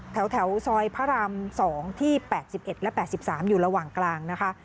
แถวซอยพระราม๒ที่๘๑และ๘๓อยู่ระหว่างกลางนะคะ